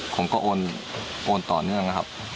ผมก็โอนต่อเนื่องนะครับ